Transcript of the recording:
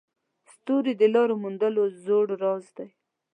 ستوري د لارو موندلو زوړ راز دی.